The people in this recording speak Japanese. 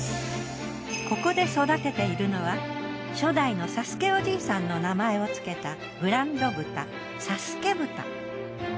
ここで育てているのは初代の佐助おじいさんの名前をつけたブランド豚佐助豚。